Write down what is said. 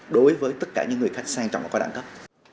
đối với tất cả những người khách sang trọng và có đẳng cấp